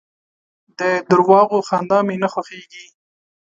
د درواغو خندا مي نه خوښېږي .